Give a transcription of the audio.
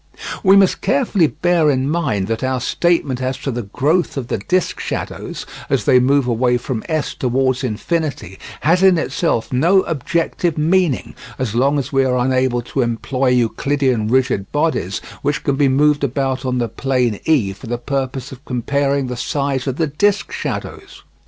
We must carefully bear in mind that our statement as to the growth of the disc shadows, as they move away from S towards infinity, has in itself no objective meaning, as long as we are unable to employ Euclidean rigid bodies which can be moved about on the plane E for the purpose of comparing the size of the disc shadows.